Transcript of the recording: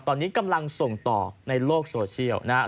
ตอนนี้กำลังส่งต่อในโลกโซเชียลนะครับ